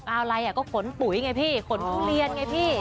อาวไลน์ก็ขนปุ๋ยไงพี่ขนผู้เรียนไงพี่